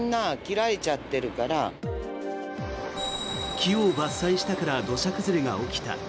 木を伐採したから土砂崩れが起きた。